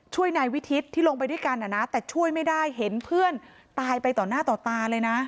ช่วยนายวิทิศที่ลงไปด้วยกันแต่ช่วยไม่ได้เห็นเพื่อนตายไปต่อหน้าต่อตาเลยนะ